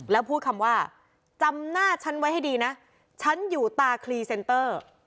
แล้วพูดคำว่าจำหน้าฉันไว้ให้ดีนะฉันอยู่ตาคลีเซนเตอร์